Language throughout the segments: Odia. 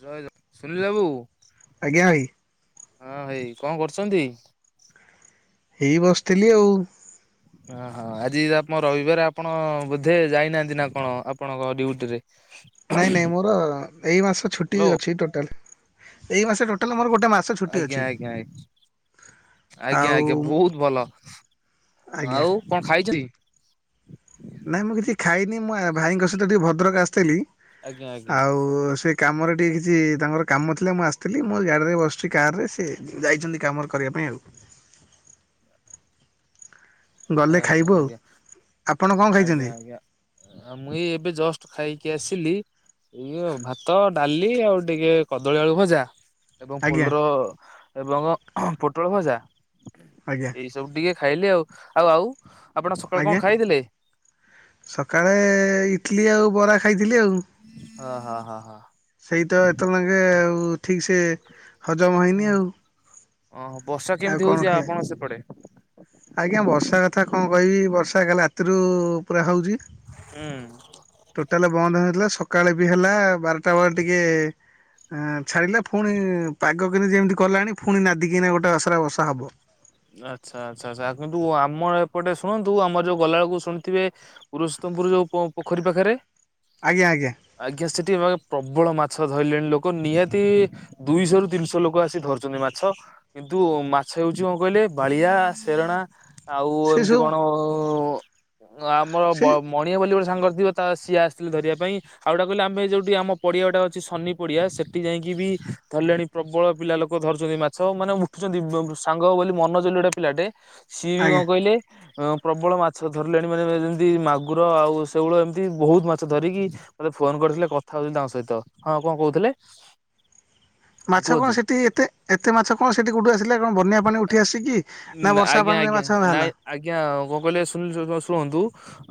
ଜୟ ଜଗ ସୁନୀଲ ବାବୁ ଆଜ୍ଞା ଭାଇ। ହଁ ଭାଇ କଁ କରୁଛନ୍ତି? ଏଇ ବସଥିଲି ଆଉ। ଓ ହଁ ଆଜି ଆପଣ ରବିବାର ଆପଣ ବୋଧେ ଯାଇନାହାନ୍ତି ନା କଣ ଆପଣଙ୍କ ଡ୍ୟୁଟି ରେ? [inaudible] ନାଇଁ ନାଇଁ ମୋର ଏଇ ମାସ ଛୁଟି ହ୍ୟାଲୋ ଅଛି ଟୋଟାଲ ଏଇ ମାସ ଟୋଟାଲ ମୋର ଗୋଟେ ମା ଆଜ୍ଞା ଆଜ୍ଞା ଆଜ୍ଞା। ଆଜ୍ଞା ଆଉ ଆଜ୍ଞା ବହୁତ ଭଲ, ଆଜ୍ଞା। ଆଉ କଣ ଖାଇଛନ୍ତି? ନାଇଁ ମୁଁ କିଛି ଖାଇନି ମୁଁ ଭାଇଙ୍କ ସହିତ ଟିକେ ଭଦ୍ରକ ଆସିଥିଲି ଆଜ୍ଞା ଆଜ୍ଞା ଆଜ୍ଞା ଆଉ ସେ କାମରେ ଟିକେ କିଛି ତାଙ୍କର କାମ ଥିଲା ମୁଁ ଆସିଥିଲି ମୋ ଗାଡ଼ିରେ ବସିଛି କାରରେ ସେ ଯାଇଛନ୍ତି କାମରେ କରିବା ପାଇଁ ଆଉ। ଗଲେ ଆଜ୍ଞା ଖାଇବୁ ଆଉ, ଆପଣ କଣ ଆଜ୍ଞା ଖାଇଛନ୍ତି? ଆଜ୍ଞା। ଆଉ ମୁ ଏଇ ଏବେ ଜଷ୍ଟ ଖାଇକି ଆସିଲି। ଇଏ ଭାତ ଡାଲି ଆଉ ଟିକେ କଦଳୀ ଆଳୁ ଭଜା ଏବଂ ଆଜ୍ଞା ପୋଲର ଏବଂ ପୋଟଳ ଭଜା ଆଜ୍ଞା ଏଇ ସ ବୁ ଟିକେ ଖାଇଲି ଆଉ, ଆଉ ଆଉ ଆପଣ ସକାଳେ ଆଜ୍ଞା। କଣ ଖାଇଥିଲେ? ସକାଳେ ଇଟଲି ଆଉ ବରା ଖାଇଥିଲି ଆଉ। ହଁ ହଁ ହଁ ହଁ। ସେଇ ତ ଏତେବେଳେ ଙ୍କେ ଆଉ ଠିକ ସେ ହଜମ ହଁ। ହେଇନି ଆଉ। ଓହୋ ବର୍ଷା ଆଉ କେମିତି କଣ ହଉଛି ଖାଇବା। ଆପଣ ସେପଟେ? ଆଜ୍ଞା ବର୍ଷା କଥା କଁ କହିବି ବର୍ଷା କାଲି ରାତିରୁ ପୁରା ହଉଚି। ହୁଁ। ଟୋଟାଲ ବନ୍ଦ ହେଇନଥିଲା ସକାଳେ ବି ହେଲା ବାରଟା ବେଳେ ଟିକେ ଛାଡ଼ିଲା ପୁଣି ପାଗ କିିନ୍ତୁ ଯେମିତି କଲାଣି ପୁଣି ନାଦିକିନା ଗୋଟେ ଅସରା ବର୍ଷା ହବ। ଆଚ୍ଛା ଆଚ୍ଛା ଆଛା କିନ୍ତୁ ଆମର ଏପଟେ ଶୁଣନ୍ତୁ ଆମର ଯୋଉ ଗଲା ବେଳକୁ ଶୁଣିଥିବେ ପୁରୁଷୋତ୍ତମପୁର ଯୋଉ ପୋ ପୋଖରୀ ପାଖରେ। ଆଜ୍ଞା ଆଜ୍ଞା। ଆଜ୍ଞା ସେଠି ମାନେ ପ୍ରବଳ ମାଛ ଧରିଲେଣି ଲୋକ ନିହାତି ଦୁଇଶହ ରୁ ତିନିଶହ ଲୋକ ଆସି ଧରୁଛନ୍ତି ମାଛ କିନ୍ତୁ ମାଛ ହେଉଛି କହିଲେ ବାଳିଆ, ସେରଣା ଆଉ ସେ ଏମିତି ସବୁ କଣ ଅ ଆମର ସେଇ ମଣିଆ ବୋଲି ଗୋଟେ ସାଙ୍ଗରେ ଥିବ ତା ସିଏ ଆସିଥିଲେ ଧରିବା ପାଇଁ। ଆଉ ଗୁଟା କହିଲେ ଆମେ ଯୋଉଠି ଆମ ପଡିଆ ଗୁଟା ଅଛି ସନି ପଡିଆ ସେଠି ଯାଇକି ବି ଧରିଲେଣି। ପ୍ରବଳ ପିଲା ଲୋକ ଧରୁଛନ୍ତି ମାଛ ମାନେ ଉଠୁଛନ୍ତି, ବ ବ ସା ସାଙ୍ଗ ବୋଲି ମନୋଜ ବୋଲି ଗୋଟେ ପିଲାଟେ, ସିଏ ବି କଣ ଆଜ୍ଞା। କହିଲେ ଅ ପ୍ରବଳ ମାଛ ଧରିଲେଣି ମାନେ ଯେମିତି ମାଗୁର ଆଉ ଶେଉଳ ଏମିତି ବହୁତ ମାଛ ଧରିକି ମୋତେ ଫୋନ କରିଥିଲେ କଥା ହଉଥିଲେ ତାଙ୍କ ସହିତ। ହଁ କଣ କହୁଥିଲେ? ମାଛ କଣ କୁହନ୍ତୁ। ସେଠି ଏତେ ଏତେମାଛ କଣ ସେଠି କୋଉଠି ଆସିଲା କଣ ବନ୍ୟା ପାଣି ଉଠି ଆସିଛିକି ନା ବର୍ଷା ଆଜ୍ଞା ପାଣିରେ ଆଜ୍ଞା ମାଛ ନାଇଁ ବାହାରିଲା। ଆଜ୍ଞା କଣ କହିଲେ ଶୁଣିଲୁ ଶୁଣନ୍ତୁ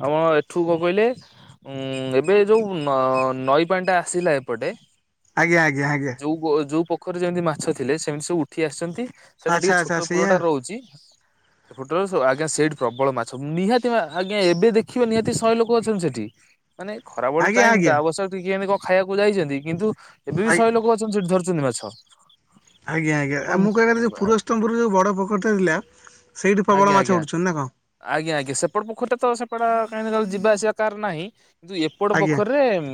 ଆପଣ ଏଠୁ କଣ କହିଲେ ଉଁ ଏବେ ଯୋଉ ନ ନଈ ପାଣି ଟା ଆସିଲା ଏପଟେ ଆଜ୍ଞା ଆଜ୍ଞା ଆଜ୍ଞା ଯୋଉ ଯୋଉ ପୋଖରିରେ ଯେମିତି ମାଛ ଥିଲେ ସେମିତି ସବୁ ଉଠି ଆସିଛନ୍ତି। ଆଚ୍ଛା ଆଚ୍ଛା ସେଇଆ ଆଉ ହଉଛି। ସେପଟରେ ସ ଆଜ୍ଞା ସେଇଠି ପ୍ରବଳ ମାଛ, ନିହାତି ଆଜ୍ଞା ଏବେ ଦେଖିବ ନିହାତି ଶହେ ଲୋକ ଅଛନ୍ତି ସେଠି। ମାନେ ଖରା ବେଳ ଆଜ୍ଞା ଟାଇମ ଆଜ୍ଞା। ଟା ଅବଶ୍ୟକ ଟିକେ ଏମତି କଣ ଖାଇବାକୁ ଯାଇଛନ୍ତି କିନ୍ତୁ ଏବେ ବି ଶହେ ଲୋକ ଅଛନ୍ତି ସେଠି ଧରୁଛନ୍ତି ମାଛ। ଆଜ୍ଞା ଆଜ୍ଞା ଆପଣ ଆଉ ମୁଁ କହିବାର ଯୋଉ ପୂରସ୍ତମପୁର ଯୋଉଁ ବଡ଼ ପୋଖରିଟା ଥିଲା, ସେଇଠି ଆଜ୍ଞା ପ୍ରବଳ ଆଜ୍ଞା। ମାଛ ଉଠୁଛନ୍ତି ନା କଣ? ଆଜ୍ଞା ଆଜ୍ଞା ସେପଟ ପୋଖରରେ ତ ସେପଟା କାହିଁକି ଯିବା ଆସିବା କାର ନାହିଁ। କିନ୍ତୁ ଏପଟ ଆଜ୍ଞା। ପୋଖରୀରେ ଉ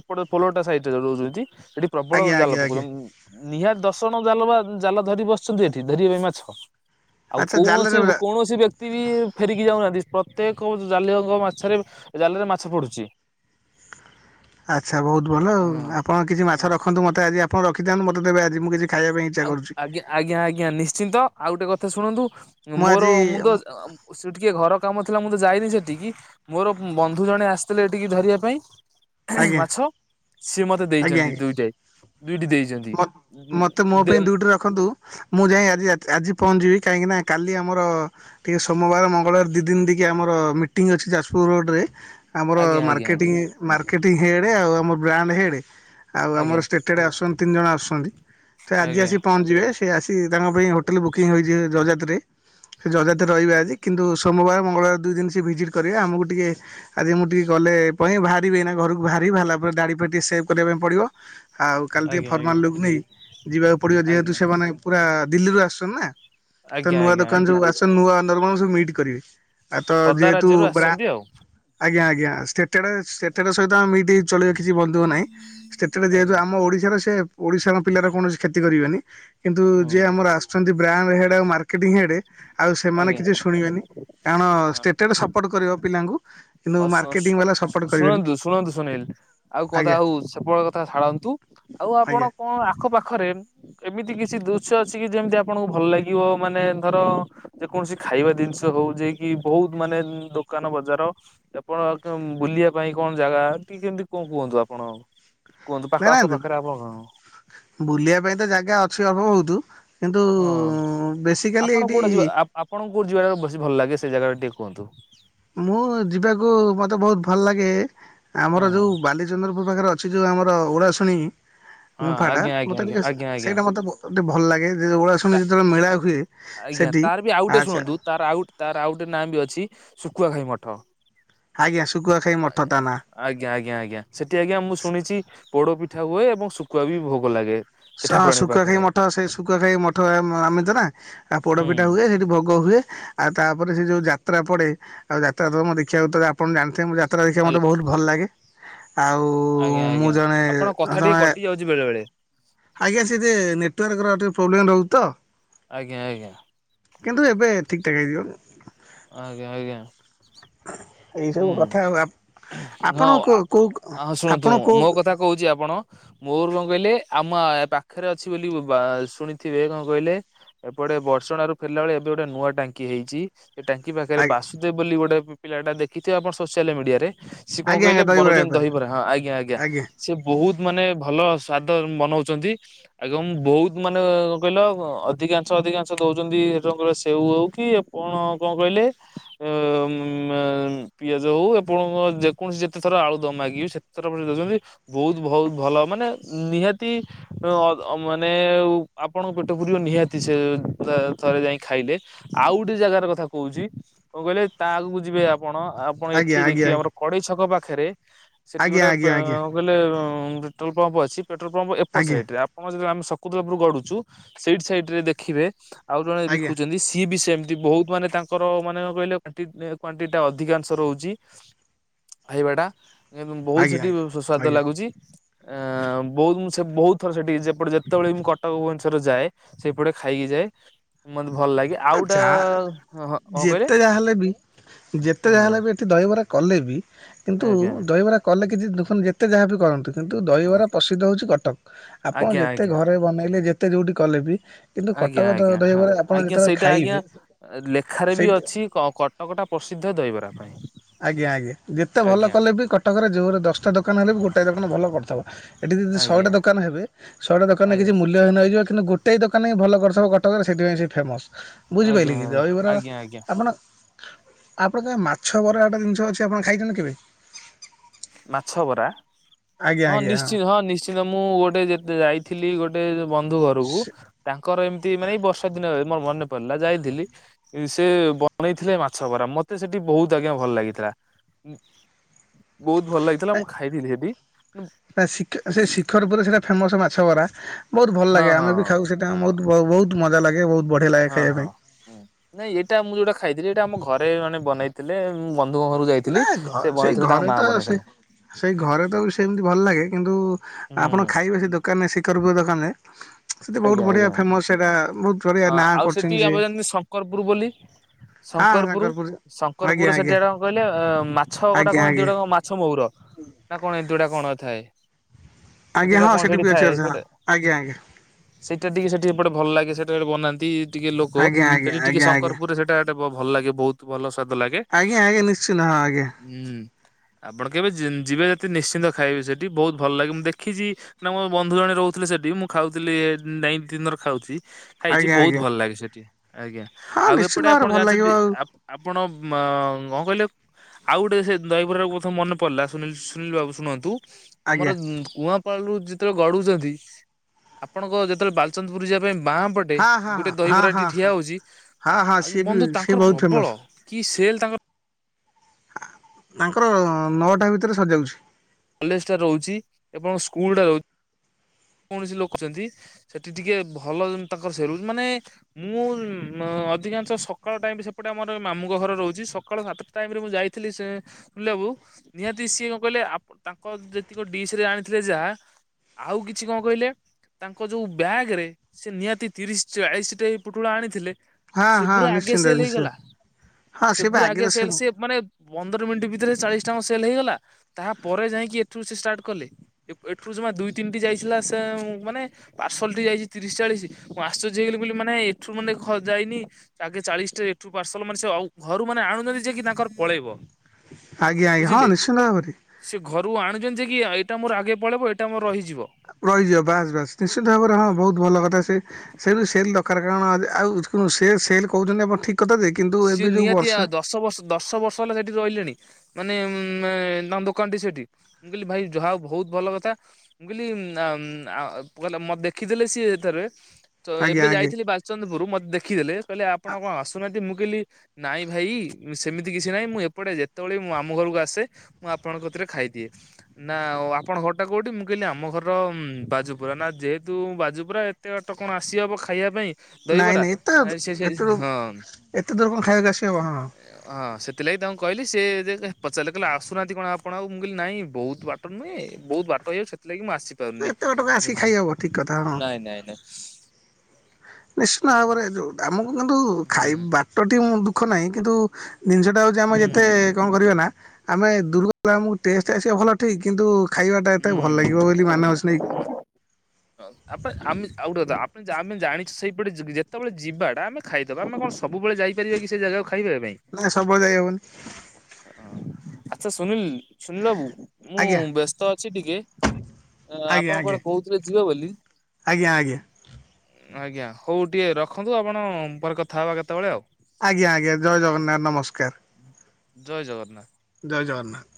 ଏପଟ ପୋଲଟା ସାଇଟରେ ଯଉ ରହୁଛନ୍ତି ସେଠି ପ୍ରବଳ ଆଜ୍ଞା ଆଜ୍ଞା ଜାଲ ଆଜ୍ଞା ପକଉ ନିହାତି ଦଶ ଜଣ ଜାଲ ବା ଜାଲ ଧରି ବସିଛନ୍ତି ଏଠି ଧରିବେ ମାଛ। ଆଉ ଆଚ୍ଛା ଜାଲରେ କୌଣସି କୌଣସି ବ୍ୟ କ୍ତି ବି ଫେରିକି ଯାଉନାହାନ୍ତି ପ୍ରତ୍ୟେକ ଜାଳୁଆଙ୍କ ମାଛରେ ଜାଲରେ ମାଛ ପଡୁଛି। ଆଚ୍ଛା ବହୁତ ଭଲ ଆଉ ହଁ। ଆପଣ କିଛି ମାଛ ରଖନ୍ତୁ, ମୋତେ ଆଜି ଆପଣ ରଖିଥାିଆନ୍ତୁ ମତେ ଦେବେ ଆଜି ମୁଁ କିଛି ଖାଇବା ପାଇଁ ଇଚ୍ଛା ଆଉ କରୁଛି ଆଜ୍ଞା ଆଜ୍ଞା ଆଜ୍ଞା ନିଶ୍ଚିନ୍ତ ଆଉ ଗୋଟେ କଥା ଶୁଣନ୍ତୁ ମୁଁ ଆଜି ମୋର ମୁଁ ତ ସେ ଟିକେ ଘର କାମ ଥିଲା ମୁଁ ତ ଯାଇନି ସେଠିକି। ମୋର ବନ୍ଧୁ ଜଣେ ଆସିଥିଲେ ଏଠିକି ଧରିବା ପାଇଁ। ଆଜ୍ଞା ଆଜ୍ଞା ମାଛ ସିଏ ମତେ ଆଜ୍ଞା ଦେଇଛନ୍ତି ଦୁଇଟାଏ ଦୁଇଟି ଦେଇଛନ୍ତି। ମ ମତେ ମୋ ଦେ ପାଇଁ ଦୁଇଟି ରଖନ୍ତୁ। ମୁଁ ଯାଇ ଆଜି ରା ଆଜି ପହଞ୍ଚିବି କାହିଁକି ନା କାଲି ଆମର ଟିକେ ସୋମବାର ମଙ୍ଗଳବାର ଦିଇ ଦିନ ଟିକେ ଆମର ମିଟିଂ ଅଛି ଯାଜପୁର ରୋଡ ରେ। ଆମର ଆଜ୍ଞା ଆଜ୍ଞା ମାର୍କେଟିଂ ଆଜ୍ଞା। ମାର୍କେଟିଂ ହେଇଆଡେ ଆଉ ଆମର ବ୍ରାଣ୍ଡ ହେଇଆଡେ। ଆଉ ଆମର ଆଜ୍ଞା ଷ୍ଟେଟ୍ ଡେ ଆସୁଛନ୍ତି ତିନି ଜଣ ଆସୁଛନ୍ତି, ତ ଆଜି ଆଜ୍ଞା ଆସି ପହଞ୍ଚିବେ। ସେ ଆସି ତାଙ୍କ ପାଇଁ ହୋଟେଲ ବୁକିଂ ହେଇଛି ଜଯାତି ରେ। ସେ ଯଜାତରେ ରହିବେ ଆଜି କିନ୍ତୁ ସୋମବାର ମଙ୍ଗଳବାର ଦୁଇ ଦିନ ସେ ଭିଜିଟ୍ କରିବେ ଆମକୁ ଟିକେ ଆଜି ମୁଁ ଟିକେ ଗଲେ ପାଇଁ ବାହାରିବି ଏଇନା ଘରକୁ ବାହାରିବି ବାହାରିଲା ପରେ ଦାଢି ଫାଢି ଟିକେ ସେଭ କରିବା ପାଇଁ ପଡିବ। ଆଉ କାଲି ଟିକେ ଆଜ୍ଞା ଆଜ୍ଞା ଫର୍ମାଲ ଲୁକ ନେଇ ଯିବାକୁ ପଡିବ ଯେହେତୁ ଆଜ୍ଞା ସେମାନେ ପୁରା ଦିଲ୍ଲୀରୁୁ ଆସଛନ୍ତି ନା। ତ ଆଜ୍ଞା ନୂଆ ଆଜ୍ଞା ଦୋକାନ ଆଜ୍ଞା ଯୋଉ ଆସ ନୂଆ ନର୍ମା ସବୁ ମିଟ କରିବେ। ଆ ତ ପଦା ଯେହେତୁ ରାଜ୍ୟରୁ ଆସିଛନ୍ତି ଆଉ। ଆଜ୍ଞା ଆଜ୍ଞା ସ୍ଟେଟେଡ୍ ସ୍ଟେଟେଡ୍ ସହିତ ମିଟ ଚଳିବ କିଛି ମନ ଦୁଃଖ ନାହିଁ, ସେଟେଡ ଯେହେତୁ ଆଜ୍ଞା ଆମ ଓଡ଼ିଶାର ଟେ ଓଡିଶାଙ୍କ ପିଲାର କୌଣସି କ୍ଷତି କରିବେନି। କିନ୍ତୁ ଯିଏ ହୁଁ ଆମର ଆସୁଛନ୍ତି ବ୍ରାଡ ହେଡ ଆଉ ମାର୍କେଟିଙ୍ଗ ହେଡ ସେମାନେ କିଛି ଆଜ୍ଞା। ଶୁଣିବେନି କାରଣ ଷ୍ଟେଟରେ ସପୋର୍ଟ କରିବ ପିଲାଙ୍କୁ କିନ୍ତୁ ହ ମାର୍କେଟିଂ ବାଲା ସପୋର୍ଟ କରିବେନି ଶୁଣନ୍ତୁ ଶୁଣନ୍ତୁ ସୁନୀଲ ଆଉ କଦା ଆଜ୍ଞା ଆଉ ସେପଟ କଥା ଛାଡ଼ନ୍ତୁ ଆଉ ଆଜ୍ଞା ଆପଣ କଣ ଆଖପାଖରେ ଏମିତି କିଛି ଦୃଶ୍ୟ ଅଛି କି ଯେମିତି ଆପଣଙ୍କୁ ଭଲ ଲାଗିବ ମାନେ ଧର ଯେକୌଣସି ଖାଇବା ଜିନିଷ ହଉ ଯ କି ବହୁତ ମାନେ ଦୋକାନ ବଜାର ଆପଣ ବୁଲିବା ପାଇଁ କଣ ଜାଗା ଟିକେ କେମିତି କଣ କୁହନ୍ତୁ ଆପଣ କୁହନ୍ତୁ ନା ପାଖ ନା ଆଖ ପାଖରେ ଆବ କଣ ବୁଲିବା ପାଇଁ ତ ଜାଗା ଅଛି ଅଳ୍ପ ବହୁତ କିନ୍ତୁ ହଁ ବେସିକାଲି ଆପଣ ଏଇଠି କୋଉଟା ଯିବା ଆପଣଙ୍କୁ ଯିବାଟା ବେଶୀ ଭଲ ଲାଗେ ସେ ଜାଗା ଟିକେ କୁହନ୍ତୁ ମୁଁ ଯିବାକୁ ମତେ ବହୁତ ଭଲ ଲାଗେ ହଁ ଆମର ଯୋଉ ବାଲି ଚନ୍ଦ୍ରପୁର ପାଖରେ ଅଛି ଯେଉଁ ଆମର ଉଡ଼ା ଶୁଣି ହଁ ମୁମ୍ଫାଟା ଆଜ୍ଞା ଆଜ୍ଞା ମତେ ଟିକେ ଆଜ୍ଞା ଆଜ୍ଞା ସେଇଟା ମତେ ଟିକେ ଭଲ ଲାଗେ ଯେ ଓଡ଼ ଶୁଣି ଯେତେବେଳେ ଆଜ୍ଞା ମେଳା ହୁଏ ଆଜ୍ଞା ସେଠି ତାର ବି ଆଉ ଗଟେ ଆଚ୍ଛା ଶୁଣନ୍ତୁ ତାର ଆଉ ତାର ଆଉ ଗଟେ ନାଁ ବି ଅଛି ଶୁଖୁଆ ଖାଇ ମଠ ଆଜ୍ଞା ଶୁଖୁଆ ଖାଇ ମଠ ତା ନା ଆଜ୍ଞା ଆଜ୍ଞା ଆଜ୍ଞା ସେଠି ଆଜ୍ଞା ମୁଁ ଶୁଣିଛି ପୋଡ ପିଠା ହୁଏ ଏବଂ ଶୁଖୁଆ ବି ଭୋଗ ଲାଗେ ସେ ହ ଠାକୁରାଣୀ ଶୁଖୁଆ ଖାଇ ପାଖରେ ମଠ ସେ ଶୁଖା ଖାଇ ମଠ ଆମିିତ ନା ଆଉ ହୁଁ ପୋଡପିଠା ହୁଏ ସେଠି ଭୋଗ ହୁଏ ଆଉ ତାପ ସେ ଯୋଉ ଯାତ୍ରା ପଡ଼େ ଆଉ ଯାତ୍ରା ମ ଦେଖିବାକୁରେ ଆପଣ ଜାଣିଥିବେ ମୁଁ ଯା ପତ୍ର ଦେଖିବା ହ୍ୟାଲୋ ମୋତେ ବହୁତ ଭଲ ଲାଗେ ଆଉ ମୁଁ ଜଣେ ଜଣେ ଆ ବେଳେ ବଳେ ଆଜ୍ଞା ସେ ଟିକେ ନେଟୱାର୍କର ଟିକେ ପ୍ରୋବ୍ଲେମ୍ ରହୁଛି ତ ଆଜ୍ଞା ଆଜ୍ଞା କିନ୍ତୁ ଏବେ ଠିକ୍ ଠାକ୍ ହେଇଯିବ। ଆଜ୍ଞା ଆଜ୍ଞା। ଏଇ ସବୁ କଥା ଆଉ ହୁଁ ଆପଣଙ୍କୁ କୋଉ କୋଉ ହଁଁ ଆପଣ ଶୁଣନ୍ତୁ କୋଉ ମୋ କଥା କହୁଛି ଆପଣ ମୋର କଣ କହିଲେ ଆମ ପାଖରେ ଅଛି ବୋଲି ଶୁଣିଥିବେ କଣ କହିଲେ ଏପଟେ ବର୍ଷଣ ରୁ ଫେରିଲା ବେଳେ ଏବେ ଗୋଟେ ନୂଆ ଟାଙ୍କି ହେଇଛି। ସେ ଟାଙ୍କି ପାଖରେ ଆ ବାସୁଦେବ ବୋଲି ଗୋଟେ ପିଲାଟା ଦେଖିଥିବେ ଆପଣ ସୋସିଆଲ ମିଡିଆରେ ସେ କଣ ଆଜ୍ଞା ଆଜ୍ଞା କହିଲେ ବନଉଛନ୍ତି ବେପାରୀ ଦହିବରା ହଁ ଆଜ୍ଞା ଆଜ୍ଞା। ସେ ବହୁତ ମାନେ ଭଲ ସ୍ଵାଦ ବନଉଛନ୍ତି। ଆଜ୍ଞା ମୁ ବହୁତ ମାନେ କଣ କହିଲ ଅଧିକାଂଶ ଅଧିକାଂଶ ଦଉଛନ୍ତି ସେ କହିଲ ସେଉ ହଉ କି କଣ ଆଉ କଣ କହିଲେ ଅ ଉ ମ ପିଆଜ ହଉ ଆପଣ ଯେକୌଣସି ଯେତେଥର ଆଳୁଦମ ମାଗିବେ ସେତେଥର ଦେଉଛନ୍ତି। ବହୁତ ବହୁତ ଭଲ ମାନେ ନିହାତି ମାନେ ଆପଣଙ୍କ ପେଟ ପୂରିବ ନିହାତି ସେ ଥରେ ଯାଇ ଖାଇଲେ। ଆଉ ଗୋଟେ ଜାଗାର କଥା କହୁଛି କଣ କହିଲେ ତା ଆଗକୁ ଯିବେ ଆପଣ ଆପଣ ଆଜ୍ଞା ଏଠି ଆଜ୍ଞା ଦେଖିବେ ଆମର କଡେଇ ଛକ ପାଖରେ ସେଠି ଗୋଟେ ଆଜ୍ଞା ଆଜ୍ଞା ଆଜ୍ଞା ଇଲେ ପେଟ୍ରୋଲ ପମ୍ପ ଅଛି ପେଟ୍ରୋଲ ପମ୍ପ ଏପଟ ଆଜ୍ଞା ସାଇଡ ରେ କଣ ଯେତେବେଲେ ଆମେ ଶକୁ ତରଫରୁ ଗଡୁଛୁ ସେଇଠି ସାଇଡ ରେ ଦେଖିବେ ଆଉ ଜଣେ ଆଜ୍ଞା ବିକୁଛନ୍ତି ସିଏ ବି ସେମିତି ବହୁତ ମାନେ ତାଙ୍କର ମାନେ କହିଲେ କ୍ୱାଣ୍ଟିଟୀ ଟା ଅଧିକାଂଶ ରହୁଛି ଖାଇବା ଟା ବହୁତ ଆଜ୍ଞା ସେଠି ଆଜ୍ଞା ସ୍ଵାଦ ଆଜ୍ଞା ଲାଗୁଛି। ଅ ବହୁତ ମୁଁ ସେ ବହୁତ ଥର ସେଠିକି ଯେପଟେ ଯେତେବେଳେ ଭି ମୁଁ କଟକ ଭୁବନେଶ୍ୱର ଯାଏ ସେଇପଟେ ଖାଇକି ଯାଏ ମତେ ଭଲ ଲାଗେ। ଆଉ ଗୋଟା ଯ ହଁ କଣ କହିଲେ ଯେତେ ଯାହା ହେଲେ ବି ଯେତେ ଯାହା ହଁ ହେଲେ ବି ଦହିବରା କଲେ ବି କିନ୍ତୁ ଆଜ୍ଞା ଦହିବରା କଲେ କିଛି ଦୁଃଖ ଯେତେ ଯାହାବି କରନ୍ତୁ। କିନ୍ତୁ ଦହିବରା ପ୍ରସିଦ୍ଧ ହେଉଛି କଟକ ଆପଣ ଆଜ୍ଞା ଯେତେ ଆଜ୍ଞା ଘରେ ବନେଇଲେ ଯେତେ ଯୋଉଠି କଲେ ବି କିନ୍ତୁ କଟକ ଦହିବରା ଆପଣ ଯେତୋବେଳେ ଯେତେ ଆଜ୍ଞା ଲେଖାରେ ବି ଅଛି କଟକ ଟା ପ୍ରସିଦ୍ଧ ଦହିବରା ପାଇଁ। ଆଜ୍ଞା ଆଜ୍ଞା ଯେତେ ଭଲ ଆଜ୍ଞା କଲେ ବି କଟକରେ ଯୋଓରେ ଦଶଟା ଦୋକାନ ହେଲେ ବି ଗୋଟାଏ ଦୋକାନ ଭଲ କରିଥବ। ଏଠି ଯଦି ଶହେଟା ଆଜ୍ଞା ଦୋକାନ ହେବେ ଶହେଟା ଦୋକାନରେ କିଛି ଆଜ୍ଞା ମୂଲ୍ୟ ହିନହେଇଯିବ କିନ୍ତୁ ଗୋଟେ ଦୋକାନ ହିଁ ଭଲ କରୁଥୁବ କଟକରେ ସେଥିପାଇଁ ସେ ଫେମସ। ଆଜ୍ଞା ବୁଝିପାଇଲେକିି ଦହିବରା ଆଜ୍ଞା ଆଜ୍ଞା ଆପଣ ଆପଣ କେବେ ମାଛ ବରା ଗୋଟା ଜିନିଷ ଅଛି ଆପଣ ଖାଇଛନ୍ତି କେବେ? ମାଛ ବରା ଆଜ୍ଞା ହଁ ଆଜ୍ଞା ନିଶ୍ଚିନ୍ତ ହଁ ନିଶ୍ଚିନ୍ତ ମୁଁ ଗୋଟେ ଯେତେ ଯାଇଥିଲି ଗୋଟ୍ ଟେ ବନ୍ଧୁ ଘରକୁ ସେ ତାଙ୍କର ଏମିତି ମାନେ ଏଇ ବର୍ଷା ଦିନରେ ମୋର ମନେ ପଡିଲା ଯାଇଥିଲି। ସେ ବନେଇଥିଲେ ମାଛ ବରା ମତେ ସେଠି ବହୁତ ଆଜ୍ଞା ଭଲ ଲାଗିଥିଲା। ବହୁତ ଭଲ ଲାଗିଥିଲା ମୁଁ ଖାଇଥିଲି ସେଠି। ସେ ଶିଖରପୁର ସେଇଟା ଫେମସ ମାଛ ବରା ବହୁତ ଭଲ ହଁ ଲାଗେ ହଁ ଆମେ ବି ଖାଉ ସେ ବହୁତ ବହୁତ ମଜା ଲାଗେ ବହୁତ। ବଢ଼ିଆ ଲାଗେ ହଁ ଖାଇବା ହଁ ପାଇଁ। ନାଇଁ ଏଇଟା ମୁଁ ଯୋଉଟା ଖାଇଥିଲି ଏଇଟା ଆମ ଘରେ ମାନେ ବନେଇ ଥିଲେ ବନ୍ଧୁଙ୍କ ଘରକୁ ନା ଯାଇଥିଲି ଘ ସେ ସେଇ ବନେଇଥିଲେ ତାଙ୍କ ଘରେ ମା ତ ସେ ବନେଇଥିଲେ। ସେଇ ଘରେ ତ ସେମତି ଭଲ ଲାଗେ କିନ୍ତୁ ଆପଣ ହୁଁ ଖାଇବେ ସେ ଦୋକାନରେ ସେ ଶିଖରପୁର ଦୋକାନରେ ସେଠି ବହୁତ ଆଜ୍ଞା ବଢିଆ ଆଜ୍ଞା। ଫେମସ ସେଇଟା ବହୁତୁ୍। ହଁ ଆଉ ସେଠି ଆପଣ ଜାଣିଛନ୍ତି ଶଙ୍କରପୁର ବୋଲି? ଶଙ୍କରପୁର ଆଜ୍ଞା ଶଙ୍କରପୁର ଆଜ୍ଞା ସେଠିଆର କହିଲେ ମାଛ କଟା ଆଜ୍ଞା କଣ ଏମିତି ଆଜ୍ଞା ଗୋଟେ କଣ ମାଛ ମହୁର ନା କଣ ଏମିତି ଗୋଟେ କଣ ଥାଏ? ଆଜ୍ଞା ଏଥି ନା ହଁ କଣ ବି ସେଠି ଅଛି ଥାଏ ଆଚ୍ଛା ସେଟା ଆଜ୍ଞା ଆଜ୍ଞା ସେଇଟା ଟିକେ ସେଠି ଏପଟେ ଭଲ ଲାଗେ ସେଟା ଗୋଟେ ବନାନ୍ତି ଟିକେ ଲୋକ ଆଜ୍ଞା ଆଜ୍ଞା ସେଠି ଟିକେ ଆଜ୍ଞା ଆଜ୍ଞା ଶଙ୍କରପୁରରେ ସେଇଟା ଭଲ ଲାଗେ ବହୁତ। ଭଲ ସ୍ୱାଦ ଲାଗେ। ଆଜ୍ଞା ଆଜ୍ଞା ନିଶ୍ଚିତ ହଁ ଆଜ୍ଞା। ହୁଁ ଆପଣ କେବେ ଯିବେ ଯେଦି ନିଶ୍ଚିନ୍ତ ଖାଇବେ ସେଠି ବହୁତ ଭଲ ଲାଗେ ମୁଁ ଦେଖିଚି। ନା ମୋ ବନ୍ଧୁ ଜଣେ ରହୁଥିଲେ ସେଠି ମୁଁ ଖାଉଥିଲି ନାଇନ୍ ଦିନରୁ ଖାଉଚି। ଖାଇଚି ଆଜ୍ଞା ବହୁତ ଆଜ୍ଞା ଭଲ ଲାଗେ ସେଠି ଆଜ୍ଞା ହଁ ଆଉ ନିଶ୍ଚିନ୍ତ ଏପଟେ ଭାବରେ ଆପଣ ଭଲ ଲାଗିବ ଜାଣିଛନ୍ତି ଆଉ ଆପ ଆପଣ ମା କଣ କହିଲେ? ଆଉ ଗୋଟେ ସେ ଦହିବରାରୁ କଥା ମନେ ପଇଲା ସୁନ ସୁନୀଲ ବାବୁ ଶୁଣନ୍ତୁ। ଆଜ୍ଞା ଆମର କୂଆଁପାଳରୁ ଯେତେବେଳେ ଗଡୁଚନ୍ତି ଆପଣଙ୍କ ଯେତେବେଳେ ବାଲଚନ୍ଦପୁର ଯିବା ପାଇଁ ବାଁ ପଟେ ହଁ ଗୋଟେ ହଁ ହଁ ଦହିବରାଟି ହଁ ଠିଆ ହଁ ହେଉଚି ହଁ ହଁ ସିଏ ବି ବନ୍ଧୁ ସିଏ ତାଙ୍କର ବହୁତ ଫେମସ ପ୍ରବଳ କି ସେଲ୍ ତାଙ୍କର। ତାଙ୍କର ନଅଟା ଭିତରେ ସରିଯାଉଛି। କଲେଜ ଟା ରହୁଚି ଏବଂ ସ୍କୁଲ ଟା ରହୁ କୌଣସି ଲୋକୁଚନ୍ତି। ସେଠି ଟିକେ ଭଲ ତାଙ୍କର ସେଲେ୍ ହୋଉଚି ମାନେ ମୁଁ ଅଧିକାଂଶ ସକାଳ ଟାଇମ ସେପଟେ ଆମର ମାମୁଁଙ୍କ ଘରେ ରହୁଚି, ସକାଳ ସାତଟା ଟାଇମରେ ମୁଁ ଯାଇଥିଲି ସେ ବୁଲିଆକୁ ନିହାତି ସିଏ କଣ କହିଲେ ଆପ୍ ତାଙ୍କ ଯେତିକ ଡିସ ରେ ଆଣିଥିଲେ ଯାହା ଆଉ କିଛି କଣ କହିଲେ? ତାଙ୍କ ଯୋଉ ବ୍ୟାଗରେ ସେ ନିହାତି ତିରିଶ ଚାଳିଶଟା ପୁଟୁଳା ଆଣିଥିଲେ। ହଁ ହଁ ସେଗୁରା ଆଗେ ନିଶ୍ଚିନ୍ତ ସେଲେ୍ ନିଶ୍ଚିନ୍ତ ହେଇଗଲା ହଁ ସେ ବା ସେଗୁରୁରା ଆଗେ ଆଗରେ ସେଲେ୍ ସେ ମାନେ ପନ୍ଦର ମିନିଟି ଭିତରେ ଚାଳିଶଟା ଙ୍କ ସେଲେ୍ ହେଇଗଲା ତାହାପରେ ଯାଇକି ଏଠୁ ସେ ଷ୍ଟାର୍ଟ କଲେ। ଏଠୁ ଜମା ଦୁଇ ତିନିଟି ଯାଇଥିଲା ସେ ମାନେ ପାର୍ସଲ ଟି ଯାଇଚି ତିରିଶ ଚାଳିଶ ମୁଁ ଆଶ୍ଚର୍ଯ୍ୟ ହେଇଗଲି ବୋଲି ମାନେ ଏଥିରୁ ଖ ମାନେ ଯାଇନି। ଆଗେ ଚାଳିଶ ଟା ଏଠୁ ପାର୍ସଲ ମାନେ ସେ ଘରୁ ମାନେ ଆଣୁନନ୍ତି ଯିଏକି ତାଙ୍କର ପଳେଇବ। ଆଜ୍ଞା ଆଜ୍ଞା ହ ବୁଝିଲେ। ନିଶ୍ଚିନ୍ତ [unintelligible] ସେ ଘରୁ ଆଣୁଚନ୍ତି ଯେ କି ଏଟା ମୋର ଆଗେ ପଳେଇବ ଏଟା ମୋର ରହିଯିବ। ରହିଯିବ ବାସ ବାସ ନିଶ୍ଚିିତ ଭାବରେ ହଁ ବହୁତ ଭଲ କଥା ସେ। ସେଲ ସେଲ ଦରକାର କାରଣ ଆଉ କୁ ସେଲ କହୁଚନ୍ତି ଆପଣ ଠିକ କଥାଯେ କିନ୍ତୁ ସିଏ ଏବେ ଯୋଉ ନିହାତି ଆ ବର୍ଷା ଦଶ ବର୍ଷ ଦଶ ବର୍ଷ ହେଲା ସେଠି ରହିଲିଣି ମାନେ ଉ ତାଙ୍କ ଦୋକାନ ଟି ସେଟି। ମୁଁ କହିଲି ଭାଇ ଯାହାହଉ ବହୁତ ଭଲ କଥା। ମୁଁ କହିଲିି ଉଁଆ ଉଁଆ ମତେ ଦେଖିଦେଲେ ସିଏ ଏଥରେ ତ ଆଜ୍ଞା ଏବେ ଆଜ୍ଞା ଯାଇଥିଲି ବାଲଚନ୍ଦପୁର ମତେ ଦେଖିଦେଲେ କହିଲେ ଆପଣ କଣ ଆସୁନାହାନ୍ତି ମୁଁ ମୁଁ କଲି ନାଇଁ ଭାଇ ସେମିତି କିଛି ନାଇଁ ମୁଁ ଏପଟେ ଯେତେବେଳେ ବି ମୋ ମାମୁଁ ଘରକୁ ଆସେ ମୁଁ ଆପଣଙ୍କ କତିରେ ଖାଇଦିଏ। ନା ଆ ଆପଣ ଘରଟା କୋଉଠି ମୁଁ କହିଲି ଆମ ଘର ବାଜୁପୁରା ନା ଯେହେତୁ ବାଜୁପୁରାରେ ଏତେ ବାଟ କଣ ଆସିହବ ଖାଇବା ପାଇଁ ନାଇଁ ଦହିବରା ଏତେ ନାଇଁ ସିଏ ଏତେ ସିଏ ହଁ। ଏତେ ଦୂର କଣ ଖାଇବାକୁ ଆସି ହବ ହଁ। ହଁ ସେଥିଲାଗି ତାଙ୍କୁ କହିଲି ସେ ଯେ ପଚିଲେ କହିଲେ ଆସୁନାହାନ୍ତି କଣ ଆପଣ ଆଉ ମୁଁ କହିଲି ନାଇଁ ବହୁତ ବା ବାଟ ନୁହେଁ ବହୁତ ବାଟ ହେଇଯାଉଚି ସେଥିଲାଗି ମୁଁ ଆସି ପାରୁନି ଏତେ ବାଟକୁ ଏ ଆସିକି ଭାଇ ଖାଇହବ ଠିକ୍ କଥା ହଁ। ନାଇଁ ନାଇଁ ନାଇଁ। ନିଶ୍ଚିନ୍ତ ଭାବରେ ଯୋଉଟା ଆମକୁ କିନ୍ତୁ ହୁଁ ଖାଇ ବାଟଟି ମୁଁ ଦୁଃଖ ନାହିଁ କିନ୍ତୁ ଜିନିଷଟା ହେଉଚି ଆମ ହୁଁ ଯେତେ କଣ କରିବା ନା ଆମେ ଦୂରୁକୁ ଗଲେ ଆମକୁ ଟେଷ୍ଟ ଆସିବ ଭଲ ଠିକ୍ କିନ୍ତୁ ଖାଇବାଟା ଏତେ ଭଲ ହୁଁ। ଲାଗିବ ବୋଲି ମାନେ ଅଛି ନାଇଁ କି। [unintelligible] ତାପରେ ଆମେ ଆଉ ଗୋଟେ ଆ ଆମେ ଜାଣିଚୁ ସେଇପଟେ ଯେତେବେଳେ ଯିବାଟା ଆମେ ଖାଇଦବା ଆମେ କଣ ସ ସବୁବେଳେ ଯାଇପାରିବା କି ସେ ଜାଗା ଖାଇବା ପାଇଁ। ନା ସବୁବେଳେ ଯାଇ ହବନି। ହଁ ଆଛା ସୁନିଲ ସୁନିଲ ବାବୁ ମୁଁ ଆଜ୍ଞା ବ୍ୟସ୍ତ ଅଛି ଟିକେ ଆ ଆଜ୍ଞା ଆପଣ ଆଜ୍ଞା କଣ କହୁଥିଲେ ଯିବେ ବୋଲି। ଆଜ୍ଞା ଆଜ୍ଞା। ଆଜ୍ଞା ହଉ ଟିକେ ରଖନ୍ତୁ ଆପଣ ପରେ କଥା ହେବା କେତେବେଳେ ଆଉ। ଆଜ୍ଞା ଆଜ୍ଞା ଜୟ ଜଗନ୍ନାଥ ନମସ୍କାର। ଜୟ ଜଗନ୍ନାଥ। ଜୟ ଜଗନ୍ନାଥ।